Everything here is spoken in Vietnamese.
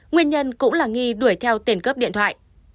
nguyên nhân cũng là nghi đuổi theo tiền cướp điện thoại